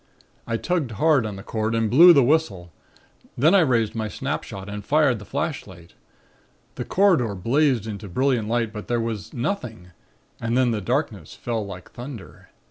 I tugged hard on the cord and blew the whistle; then I raised my snapshot and fired the flashlight. The corridor blazed into brilliant light, but there was nothing, and then the darkness fell like thunder.